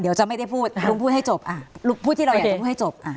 เดี๋ยวจะไม่ได้พูดลุงพูดให้จบพูดที่เราอยากรู้ให้จบ